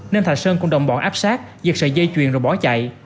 nên thạch sơn cùng đồng bọn áp sát giật sợi dây chuyền rồi bỏ chạy